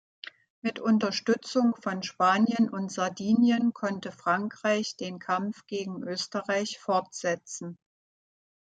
Mit Unterstützung von Spanien und Sardinien konnte Frankreich den Kampf gegen Österreich fortsetzen.